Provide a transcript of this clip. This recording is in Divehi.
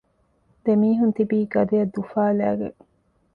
ދެމީހުން ތިބީ ގަދައަށް ދުފާލައިގެން